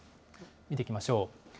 見ていきましょう。